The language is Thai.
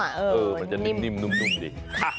มันจะนิ่มนุ่มดี